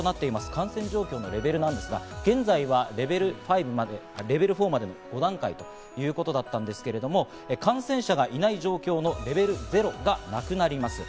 感染状況のレベルですが、現在はレベル４までの５段階ということだったんですけれども、感染者がいない状況のレベル０がなくなります。